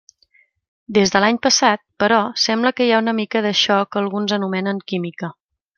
Des de l'any passat, però, sembla que hi ha una mica d'això que alguns anomenen «química».